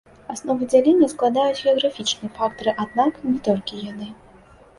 Аснову дзялення складаюць геаграфічныя фактары, аднак не толькі яны.